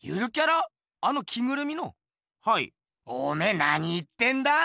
おめえなに言ってんだ？